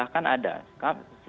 dan klien bahkan ada